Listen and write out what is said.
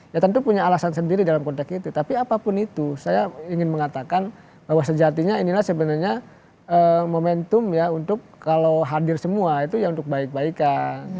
ya tentu punya alasan sendiri dalam konteks itu tapi apapun itu saya ingin mengatakan bahwa sejatinya inilah sebenarnya momentum ya untuk kalau hadir semua itu ya untuk baik baikan